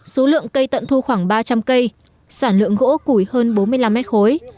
số lượng cây tận thu khoảng ba trăm linh cây sản lượng gỗ củi hơn bốn mươi năm mét khối